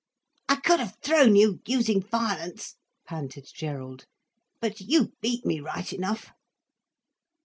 "I could have thrown you—using violence—" panted Gerald. "But you beat me right enough."